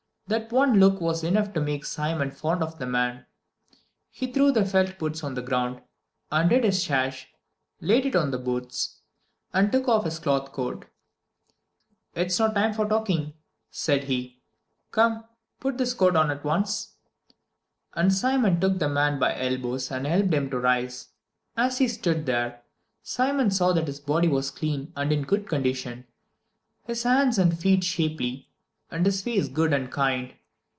That one look was enough to make Simon fond of the man. He threw the felt boots on the ground, undid his sash, laid it on the boots, and took off his cloth coat. "It's not a time for talking," said he. "Come, put this coat on at once!" And Simon took the man by the elbows and helped him to rise. As he stood there, Simon saw that his body was clean and in good condition, his hands and feet shapely, and his face good and kind.